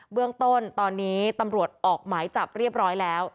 เบื้องต้นตอนนี้ตำรวจออกหมายจับเรียบร้อยแล้ว